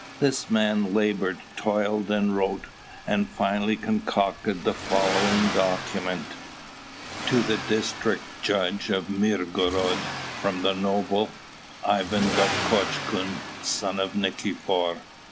This man laboured, toiled, and wrote, and finally concocted the following document: "To the District Judge of Mirgorod, from the noble, Ivan Dovgotchkun, son of Nikifor.